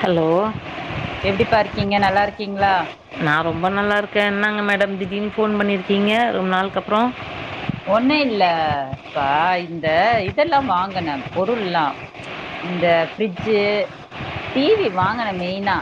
hello எப்டிப்பா இருக்கீங்க நல்லா இருக்கீங்களா நான் ரொம்ப நல்லா இருக்கேன் என்னங்க மேடம் திடீன் ஃபோன் பண்ணியிருக்கீங்க ரொம்ப நாள்க்கப்புற ஒண்ணும் இல்லப்பா இந்த இதெல்லாம் வாங்கனே பொருள்ல்லாம் இந்த ஃப்ரிட்ஜு டிவி வாங்கன மெயினா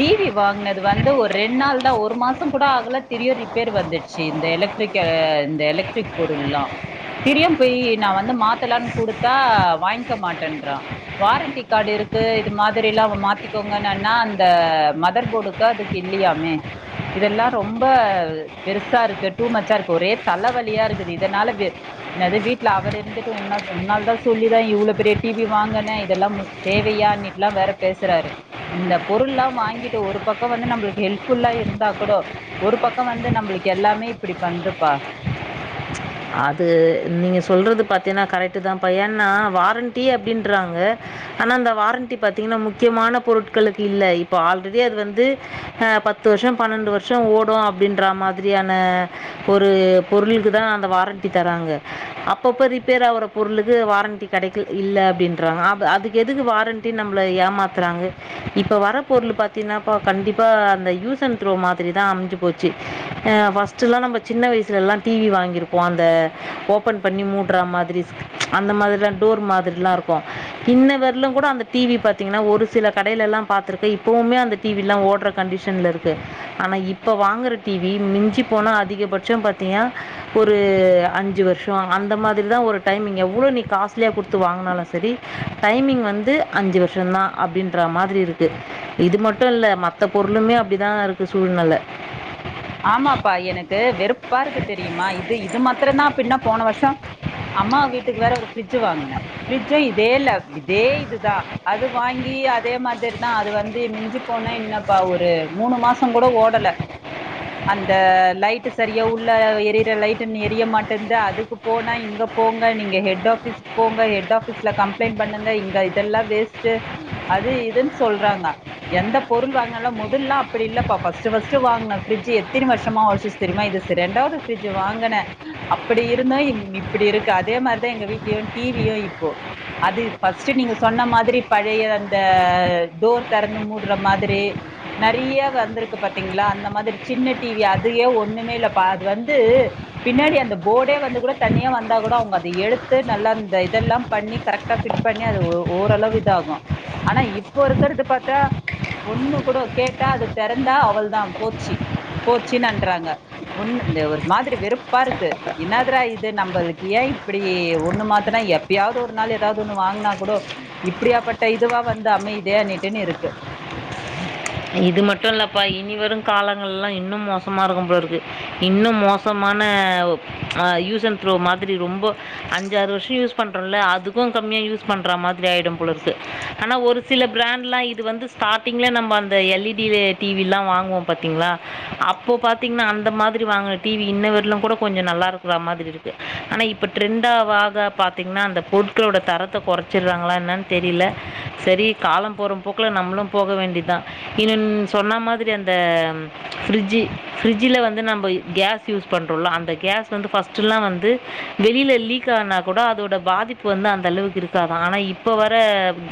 டிவி வாங்கினது வந்து ஒரு ரெண்டு நாள் தான் ஒரு மாசம் கூட ஆகல திரிய ரிப்பேர் வந்துடுச்சு இந்த எலக்ட்ரிக்கு எலக் ட்ரிக் பொருள்ள திரியும் போய் நான் வந்து மாத்தலாம்னு குடுத்தா வாங்கிக்க மாட்டேன்றா வாரண்டி கார்டு இருக்கு இது மாதிரல்லாம் மாத்திக்கோங்கன்னா அந்த மதர் போர்டுக்கு அதுக்கு இல்லையாமே இதெல்லாம் ரொம்ப பெருசா இருக்கு டூ மச்சா இருக்கு ஒரே தலைவலி இருக்கு இதனால என் வீட்டுல அவர் இருந்துட்டு உ உன்னால தான் சொல்லிதான் இவ்வளவு பெரிய டிவி வாங்கன இதெல்லாம் தேவையா இப்டில்லாம் வேற பேசுறாரு இந்த பொருள்ல்லாம் வாங்கிட்டு ஒரு பக்கம் வந்து நம்மளுக்கு ஹெல்புல்லா இருந்தா கூட ஒரு பக்கம் வந்து நம்மளுக்கு எல்லாமே இப்படி பண்துப்பா அது நீங்க சொல்றது பாத்தீங்கன்னா கரெக்ட் தான் பா ஏன்னா வாரண்டி அப்படின்றாங்க ஆனா அந்த வாரண்டி பாத்தீங்கன்னா முக்கியமான பொருட்களுக்கு இல்ல இப்ப ஆல்ரெடி அது வந்து பத்து வருஷம் பன்னெண்டு வருஷம் ஓடும் அப்படின்ற மாதிரியான ஒரு பொருளுக்கு தான் அந்த வாரண்டி த்தி தாரக அப்பப்ப ரிப்பேர் ஆவுற பொருளுக்கு வாரண்டி கடை இல்ல அப்படின்றாக அதுக்கு எதுக்கு வாரண்டி நம்ல ஏமாத்துறாங் இப்ப வர பொருள் பத்தினப்ப கண்டிப்பா அந்த யூஸ் அண்ட் த்ரோ மாதிரி தான் அமஞ்சி போச்சு பஸ்டுலா நம்ம சின்ன வயசுலலாம் டிவி வாங்கிருப்போ அந்த ஓபன் பண்ணி மூடுற மாதிரி அந்த மாதிரி எல்லாம் டோர் மாதிரி எல்லாம் இருக்கும் இன்ன வரலும் கூட அந்த டிவி பாத்தீங்கன்னா ஒரு சில கடையில எல்லாம் பாத்துருக்க இப்பவுமே அந்த டிவி எல்லாம் ஓடுற கண்டிஷன்ல இருக்கு ஆனா இப்ப வாங்குற டிவி மிஞ்சி போனா அதிகபட்சம் பாத்தீன்னா ஒரு அஞ்சு வருஷம் அந்த மாதிரி தான் ஒரு டைமிங் எவ்வளோ நீ காஸ்ட்லியாக கொடுத்து வாங்கினாலும் சரி டைமிங் வந்து அஞ்சு வருஷம் தான் அப்படின்ற மாதிரி இருக்கு இது மட்டும் இல்லை மத்த பொருளுமே அப்படிதான் இருக்கு சூழ்நல ஆமாப்பா எனக்கு வெறுப்பா இருக்கு தெரியுமா இது இ இது மாத்திரம தான் இப்பின்ன போன வருஷம் அம்மா வீட்டுக்கு வேற ஒரு ஃப்ரிட்ஜ் வாங்கினேன் ஃப்ரிட்ஜும் இதே இல்ல இதே இதுதான் அது வாங்கி அதே மாதிரிதான் அது வந்து மிஞ்சி போனே இன்னாப்பா ஒரு மூணு மாசம் கூட ஓடல அந்த லைட்டு சரியா உள்ள எரியற லைட்டு எரிய மாட்டேது அதுக்கு போனா இங்க போங்க நீங்க ஹெட் ஆபீஸ்கு போங்க ஹெட் ஆபீஸ்ல கம்ப்ளைண்டட் பண்ணுங்க இங்க இதெல்லாம் வேஸ்ட்ட் அது இதுன்னு சொல்றாங்க எந்த பொருள் வாங்கினாலும் முதல்லல்லாம் அப்படி இல்லப்பா பர்ஸ்டு ஃபர்ஸ்டு வாங்னது ஃப்ரிட்ஜ் எத்தனை வருஷமா ஒழச்சுச்சு தெரியுமா இது ரெண்டாவது ஃப்ரிட்ஜ் வாங்குன அப்படி இருந்தோ இப்படி இருக்கு அதே மாதிரிதான் எங்க வீட்லயும் டிவியும் இப்போ அது ஃபர்ஸ்ட் நீங்க சொன்ன மாதிரி பழைய அந்த டோர் திறந்து மூடுற மாதிரி நிறைய வந்திருக்கு பாத்தீங்களா அந்த மாதிரி சின்ன டிவி அதயே ஒண்ணுமே இல்லைப்ப அது வந்து பின்னாடி அந்த போர்டே வந்து கூட தனியா வந்தா கூட அவங்க அதை எடுத்து நல்லா அந்த இதெல்லாம் பண்ணி கரெக்டா ஃபிட் பண்ணி அது ஓரளவு இத ஆகும் ஆனா இப்போ இருக்கறத பாத்தா ஒண்ணு கூட கேட்டா அது திறந்தா அவ்ளதான் போச்சு போச்சுனன்றாங்க ஒண்ணு ஒரு மாதிரி வெறுப்பா இருக்கு என்னாதிரா இது நம்மளுக்கு ஏன் இப்படி ஒண்ணு மாத்தனா எப்பயாவது ஒரு நாள் ஏதாவது ஒண்ணு வாங்கினா கூட இப்படியாப்பட்ட இதுவா வந்து அமையுதே அண்ணிட்டுன்னு இருக்கு இது மட்டும் இல்லப்பா இனி வரும் காலங்கள்ல்லாம் இன்னும் மோசமா இருக்கும் போல இருக்கு இன்னும் மோசமான் யூஸ் அண்ட் த்ரோ மாதிரி ரொம்ப அஞ்சாறு வருஷம் யூஸ் பண்றோம்ல அதுக்கும் கம்மியா யூஸ் பண்ற மாதிரி ஆயிடும் போல இருக்கு ஆனா ஒரு சில பிராண்ட்லாம் இது வந்து ஸ்டார்ட்டிங்ல நம்ம இந்த எல் இ டி டிவிலா வாங்குவோம் பாத்தீங்களா அப்போ பாத்தீங்கன்னா அந்த மாதிரி வாங்கின டிவி இன்னவரிலும் கூட கொஞ்சம் நல்லா இருக்கிற மாதிரி இருக்கு ஆனா இப்போ ட்ரெண்டாவாகா பாத்தீங்கன்னா அந்த பொருட்களோட தரத்தை குறைச்சிடறாங்களா என்னனு தெரியல சரி காலம் போற போக்குல நம்மளும் போக வேண்டிதான் ன்ன சொன்ன மாதிரி அந்த ஃபிரிட்ஜ் ஃபிரிட்ஜ்ல வந்து நம்ம கேஸ் யூஸ் பண்றோம்ல அந்த கேஸ் வந்து ஃபர்ஸ்ட்லா வந்து வெளியில லீக் ஆனா கூட அதோட பாதிப்பு வந்து அந்த அளவுக்கு இருக்காதான் ஆனா இப்ப வர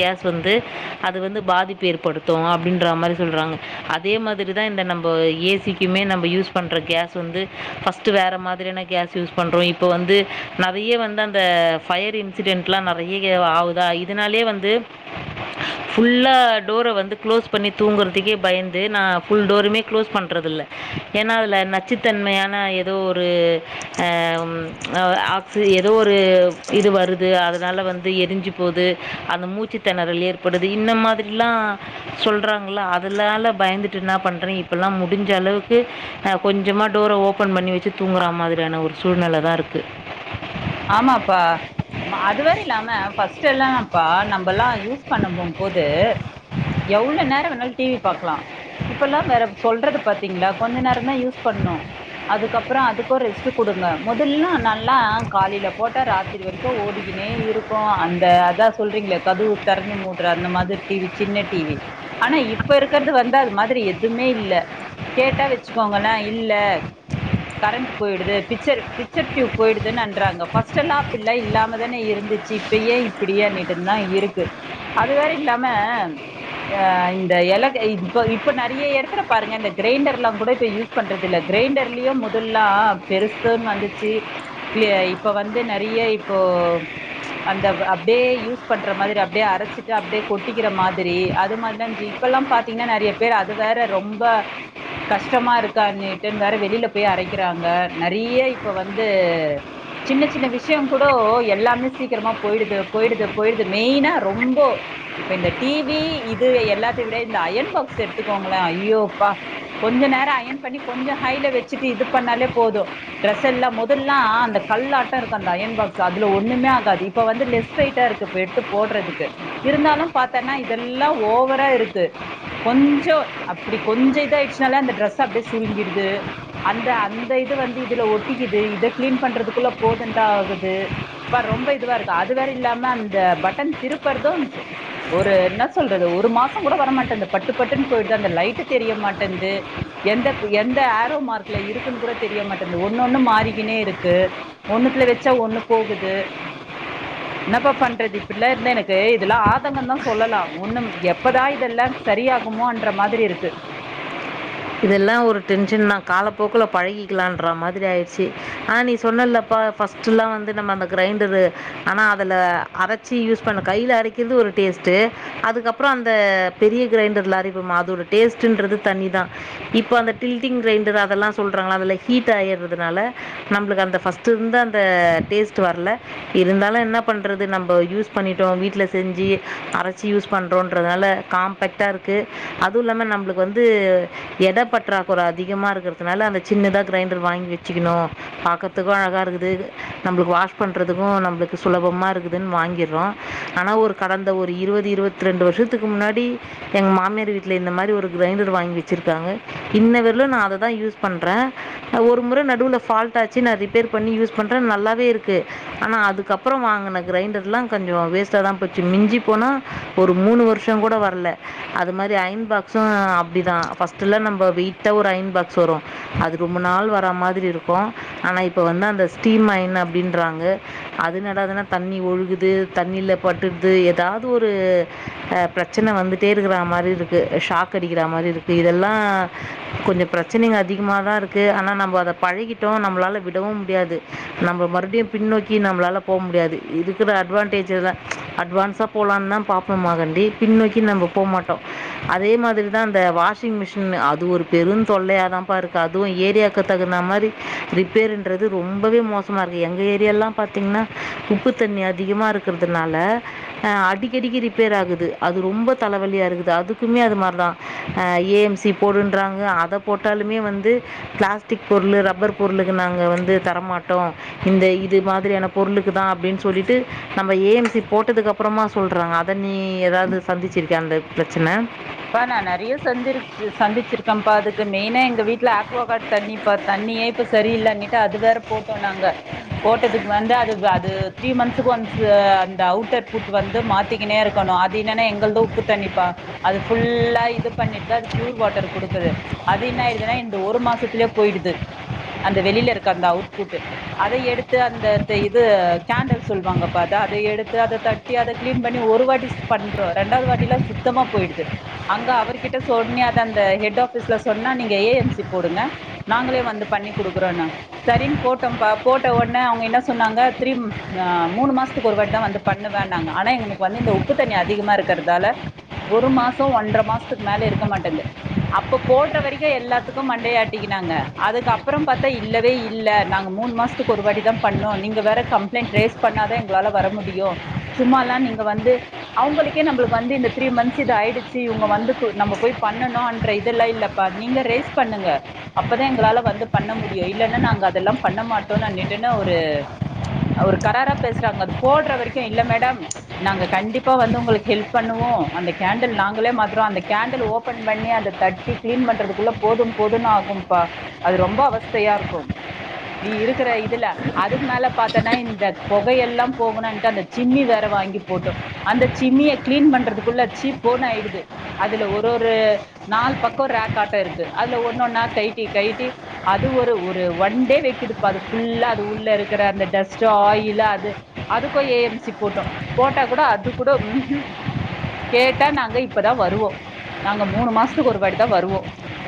கேஸ் வந்து அது வந்து பாதிப்பு ஏற்படுத்தும் அப்படின்ற மாதிரி சொல்றாங்க அதே மாதிரிதான் இந்த நம்ம ஏசிக்குமே நம்ம யூஸ் பண்ற கேஸ் வந்து ஃபர்ஸ்ட் வேற மாதிரியான கேஸ் யூஸ் பண்றோம் இப்போ வந்து நிறைய வந்து அந்த பயர் இன்சிடென்ட்லாம் நிறைய ஆகுதா இதனாலயே வந்து ஃபுல்லா டோரை வந்து க்ளோஸ் பண்ணி தூங்குறதுக்கே பயந்து நா ஃபுல் டோருமே க்ளோஸ் பண்ணுறதில்ல ஏன்னா அதில நச்சுத்தன்மையான ஏதோ ஒரு ஆ ஆக்சி ஏதோ ஒரு இது வருது அதனால வந்து எரிஞ்சு போது அந்த மூச்சு திணறல் ஏற்படுது இந்த மாதிரிலாம் சொல்றாங்களா அதலால பயந்துட்டு என்ன பண்றே இப்பல்லாம் முடிஞ்ச அளவுக்கு கொஞ்சமா டோரை ஓபன் பண்ணி வச்சு தூங்குற மாதிரியான ஒரு சூழ்நிலை தா இருக்கு ஆமாப்பா அதுவரை இல்லாம ஃபர்ஸ்ட் எல்லாம்ப்பா நம்மல்லாம் யூஸ் பண்ண போம்போது எவ்வளோ நேர வேணாலும் டிவி பாக்கலாம் இப்பல்லாம் வேற சொல்றது பாத்தீங்களா கொஞ்ச நேரந் தா யூஸ் பண்னணும் அதுக்கப்புறம் அதுக்க ரெஸ்ட்ட் கொடுங்க முதலல்லாம் நல்லா காலையில போட்ட ராத்திரி வரைக்கும் ஓடிக்கினே இருக்கும் அந்த அதா சொல்றீங்களே கதுவு திறந்து மூடுற அந்த மாதிரி டிவி சின்ன டிவி ஆனா இப்ப இருக்கிறது வந்து அது மாதிரி எதுவுமே இல்ல கேட்டா வச்சுக்கோங்களே இல்ல கரண்ட் போயிடுது பிச்சர் பிச்சர்டியூப் போயிடுதுன்னு அந் ராங்க் ஃபர்ஸ்டலா அப்படி இல்லாமதானே இருந்துச்சு இப்பயே இப்படியேண்ணிட்டு தா இருக்கு அது வேற இல்லாம ஆ இந்த எல கி இப்ப இப்ப நெறையா எடத்துல பாருங்க இந்த கிரைண்டர்ல்லாம் கூட இப்ப யூஸ் பண்றது இல்ல கிரைண்டர்லயும் முதல்லாம் பெருசுன்னு வந்துச்சு இ இப்போ வந்து நிறைய இப்போ அந்த அப்படியே யூஸ் பண்ற மாதிரி அப்படியே அரைச்சிட்டு அப்படியே கொட்டிக்கிற மாதிரி அது மாதிரில இப்பல்லாம் பாத்தீங்கன்னா நிறைய பேர் அது வேற ரொம்ப கஷ்டமா இருக்கான்னுட்டுன்னு வேற வெளியில போய் அரைக்கிறாங்க நிறைய இப்போ வந்து சின்ன சின்ன விஷயம் கூட எல்லாமே சீக்கிரமா போயிடுது போயிடுது போயிடுது மெய்னா ரொம்ப இப்ப இந்த டிவி இது எல்லாத்த விட இந்த அயன் பாக்ஸ் எடுத்துக்கோங்களே ஐயோ அப்பா கொஞ்ச நேரம் அயன் பண்ணி கொஞ்சம் ஹைல வச்சுட்டு இது பண்ணாலே போதும் ட்ரெஸ் எல்லாம் முதல்லல்லாம் அந்தக் கல்லாட்டம் இருக்கு அந்த அயன் பாக்ஸ் அதுல ஒண்ணுமே ஆகாது இப்ப வந்து லெஸ் வெயிட் ஆ இருக்கு இப்ப எடுத்து போடுறதுக்கு இருந்தாலும் பத்தன்னா இதெல்லாம் ஓவரா இருக்கு கொஞ்சோ அப்படி கொஞ்சோ இத ஆயிடுச்சனாலே அந்த டரெஸ் அப்படியே சுருங்கிடுது அந்த அந்த இது வந்து இதுல ஒட்டிக்குது இத கிளீன் பண்றதுக் குல போதுண்டா ஆகுது பார் ரொம்ப இதுவா இருக்கு அது வேற இல்லாம அந்த பட்டன் திருப்பறதும் ஒரு என்ன சொல்றது ஒரு மாசம் கூட வரமாட்டேது பட்டு பட்டுன்னு போயிடுது அந்த லைட்டு தெரிய மாட்டேன்து எந்த எந்த ஆரோ மார்க்கல இருக்குன்னு கூட தெரிய மாட்டேன்து ஒன்னு ஒன்னு மாறிக்கினே இருக்கு ஒண்ணுத்துல வச்சா ஒண்ணு போகுது என்னப்பா பண்றது இப்படில இருந்த எனக்கு இதெல்லாம் ஆதங்கம் தா சொல்லலாம் ஒண்ணு எப்பதா இதெல்லாம் சரியாகுமோன்ற மாதிரி இருக்கு இதெல்லா ஒரு டென்ஷன் தா காலப்போக்கல பழகிக்கலான்ற மாதிரி ஆயிடுச்சு ஆனா நீ சொன்னலப்பா ஃபர்ஸ்ட்ல்லாம் வந்து நம்ம அந்த கிரைண்டரு ஆனா அதல அரைச்சி யூஸ் பண்ண கைல அரைக்கிறது ஒரு டேஸ்ட்டு அதுக்கப்புறம் அந்த பெரிய கிரைண்டர்ல அரைப்போமா அதோட டேஸ்டுன்றது தனிதா இப்ப அந்த டில்டிங் கிரைண்டர் அதெல்லாம் சொல்றாங்களா அதுல ஹீட் ஆயறதுனால நம்மளுக்கு அந்த பஸ்ட்ட் இருந்து அந்த டேஸ்ட் வரல இருந்தாலும் என்ன பண்றது நம்ம யூஸ் பண்ணிட்டோம் வீட்டுல செஞ்சு அரைச்சு யூஸ் பண்றோன்றதுனால காம்பேக்ட்டா இருக்கு அதுவு இல்லாம நம்பளுக்கு வந்து எட பற்றாக்குற அதிகமா இருக்கிறதுனால அந்த சின்னதா கிரைண்டர் வாங்கி வச்சுக்கணு பாக்கரதுக்கு அழகா இருக்குது நம்பளுக்கு வாஷ் பண்றதுக்கு நம்பளுக்கு சுலபமா இருக்குதுன்னு வாங்கிர்றோ ஆனா ஒரு கடந்த ஒரு இருவது இருவத்தி ரெண்டு வருஷத்துக்கு முன்னாடி எங்க மாமியார் வீட்ல இந்த மாரி ஒரு கிரைண்டர் வாங்கி வெ ச்சிருக்காங்க இன்ன வரைலு நா அத தா யூஸ் பண்றே ஒரு முற நடுவுல ஃபால்ட் ஆச்சு நா ரிப்பேர் பண்ணி யூஸ் பண்றே நல்லாவே இருக்கு ஆனா அதுக்கப்புற வாங்கின கிரைண்டர்லா கொஞ்சோ வேஸ்ட்டாதா போச்சு மிஞ்சி போனா ஒரு மூணு வருஷங் கூட வரல அது மாரி அயன் பாக்ஸு அப்டிதா ஃபர்ஸ்ட்டலா நம்ப வெயிட்டா ஒரு அயன் பாக்ஸ் வரு அது ரொம்ப நாள் வரா மாதிரி இருக்கு ஆனா இப்ப வந்து அந்த ஸ்டீம் அயன் அப்டின்றாங்க அதென்னடாதுன்னா தண்ணி ஒழுகுது தண்ணில பட்டுடுது எதாது ஒரு பிரச்சனை வந்துட்டே இருக்கற மாரி இருக்கு ஷாக் அடிக்கிற மாரி இருக்கு இதெல்லா கொஞ்ச ப்ரச்சனைங்க அதிகமாதா இருக்கு ஆனா நம்ம அத பழகிட்டோ நம்ளால விடவும் முடியாது நம்ம மறுப்டியு பின்னோக்கி நம்ளால போ முடியாது இருக்குற அட்வான்டேஜுதா அட்வான்ஸா போலான்னா பாப்போமாகாண்டி பின்னோக்கி நம்ம போமாட்டோ அதே மாதிரிதா அந்த வாஷ் ஷிங்மிஷினு அது ஒரு பெருந் தொல்லையா தாம்ப்பா இருக்கு அதுவு ஏரியாவ்க்கு தகுந்தா மாரி ரிப்பேருன்றது ரொம்பவே மோசமா இருக்கு எங்க ஏரியால்லா பாத்தீங்னா உப்பு தண்ணி அதிகமா இருக்கற்துனால ஆ அடிக்கடிக்கி ரிப்பேர் ஆகுது அது ரொம்ப தலவலியா இருக்குது அதுக்குமே அது மார்தா ஆ ஏ எம் சி போடுன்றாங்க அத போட்டாலுமே வந்து ப்ளாஸ்டிக் பொருளு ரப்பர் பொருளுக்கு நாங்க வந்து தரமாட்டோ இந்த இது மாதிரியான பொருளுக்கு தா அப்டின் சொல்லிட்டு நம்ம ஏ எம் சி போட்டதுக்கப்பறமா சொல்றாங்க அத நீ ஏதாவ்து சந்திச்சிருக்கியா அந்த ப்ரச்சன பா நா நெறையா சந்திருச்சு சந்திச்சிருக்கம்ப்பா அதுக்கு மெய்னா எங்க வீட்ல ஆக்வா காட் தண்ணிப்பா தண்ணியே இப்ப சரியில்லனுட்டு அது வேற போட்டோ நாங்க போட்டதுக்கு வந்து அது அது த்ரீ மந்த்ஸுக்கு ஒன்ஸூ அந்த அவுட்டர் ஃபுட் வந்து மாத்திக்கினே இருக்கணு அது இன்னன்னா எங்கள்து உப்பு தண்ணிப்பா அது ஃபுல்லா இது பண்ணிட்டு தா அது ப்யூர் வாட்டர் குடுக்குது அது என்ன ஆய்டுதுன்னா இந்த ஒரு மாசத்துலயே பொய்டுது அந்த வெளியில இருக்க அந்த அவுட்ஃபுட்டு அத எடுத்து அந்த த இது கேண்டில் சொல்லுவாங்கப்பா அதா அதை எடுத்து அத தட்டி அத க்ளீன் பண்ணி ஒரு வாட்டி ஸ் பண்றோ ரெண்டாவ்து வாட்டிலா சுத்தமாக பொய்டு அங்க அவர் கிட்ட சொன்னிய அது அந்த ஹெட்ஆஃபிஸ்ல சொன்னா நீங்க ஏ எம் சி போடுங்க நாங்களே வந்து பண்ணி குடுக்குறோனா சரின் போட்டோம்பா போட்ட ஒன்னே அவ்ங்க என்ன சொன்னாங்க த்ரீம் ஆ மூனு மாசத்துக்கு ஒரு வாட்டி தா வந்து பண்ணுவனாங்க ஆனா எங்களுக்கு வந்து இந்த உப்பு தண்ணி அதிகமா இருக்குறதால ஒரு மாசத் சோ ஒன்ற மாசத்துக்கு மேல இருக்கமாட்டின்து அப்பொ போட்ற வரைக்கு எல்லாத்துக்கு மண்டைய ஆட்டிக்கினாங்க அதுக்கப்றம் பாத்தா இல்லவே இல்ல நாங்க மூன் மாசத்துக்கு ஒரு வாட்டி தா பண்ணோ நீங்க வேற கம்ப்ளைன்ட் ரைஸ் பண்ணாதா எங்ளால வர முடியு சும்மாலா நீங்க வந்து அவ்ங்களுக்கே நம்ளுக்கு வந்து இந்த த்ரீ மன்த்ஸ் இது ஆயிடு ச்சி இவ்ங்க வந்து நம்ப போயி பண்ணணு இன்ற இதெல்லா இல்லப்பா நீங்க ரேஸ் பண்ணுங்க அப்பதா எங்களால வந்து பண்ண முடியு இல்லன்னா நாங்க அதெல்லா பண்ண மாட்டோனுனனிட்டுன ஒரு அ ஒரு கராரா பேசுறாங்க அது போட்ற வரைக்கு இல்ல மேடம் நாங்க கண்டிப்பா வந்து உங்களுக்கு ஹெல்ப் பண்ணுவோ அந்த கேண்டில் நாங் களே மாத்ரோ அந்த கேண்டில் ஓப்பன் பண்ணி அத தட்டி கிளீன் பண்றதுக்குள்ள போதும் போதுனு ஆகும்ப்பா அது ரொம்ப அவஸ்த்தையா இருக்கு நீ இருக்குற இதுல அதுக்கு மேல பாத்தனா இந்த பொகையல்லா போகனுன்ட்டு அந்த சிம்மி வேற வாங்கி போட்டோ அந்த சிம்மிய க்ளீன் பண்றதுக்குள்ள சீ போனு ஆய்டு அதுல ஒரு ஒரு நாளு பக்கோ ரேக்காட்டொ இருக்கு அதுல ஒன்னு ஒன்னா கய்ட்டி கய்ட்டி அது ஒரு ஒரு ஒன் டே வெக்கிதுப்பா அது ஃபுல்லா அது உள்ள இருக்குற அந்த டஸ்ட்டு ஆயிலு அதுக் அதுக்கு ஏ எம் சி போட்டோ போட்டாக் கூட அதுக் கூட ம்ஹூம் கேட்டா நாங்க இ ப்பதா வருவோ நாங்க மூணு மாசத்துக்கு ஒரு வாட்டி தா வருவோ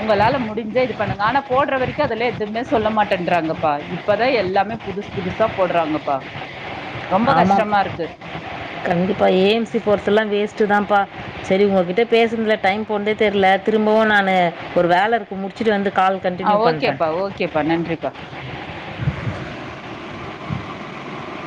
உங்களால முடிஞ்சா இது பண்ணுங்க ஆனா போட்ற வரைக்கு அதுல எதுமே சொல்ல மாட்டேறாங்கப்பா இப்பதா எல்லாமே புதுசு புதுசா போட்றாங்கப்பா ஆமாம் கண்டிப்பா ஏ எம் சி போற்துல்லா வேஸ்ட்டு தாம்ப்பா செரி உங்கக்கிட்ட பேசுனதுல டைம் போன்தே தெர்ல திரும்பவு நானு ஒரு வேல இருக்கு முடிச்சிட்டு வந்து கால் ஆ கன்டினியூ பண்ணுறேன் ஓகேப்பா ஓகேப்பா நன்றிப்பா